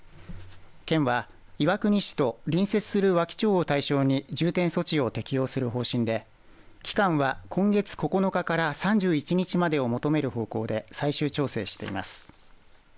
県は岩国市と隣接する和木町を対象に重点措置を適用する方針で期間は今月９日から３１日までを求める方向で最終調整しています。